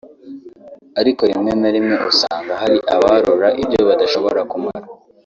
ariko rimwe na rimwe usanga hari abarura ibyo badashobora kumara